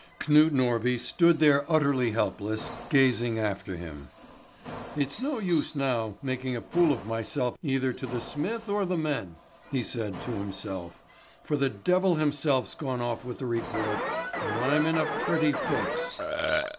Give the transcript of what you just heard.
Knut Norby stood there utterly helpless, gazing after him. "It's no use now my making a fool of myself either to the smith or the men," he said to himself; "for the devil himself's gone off with the report, and I'm in a pretty fix!"